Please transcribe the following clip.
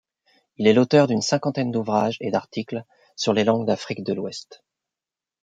Il est l'auteur d'une cinquantaine d'ouvrages et d'articles sur les langues d'Afrique de l'Ouest.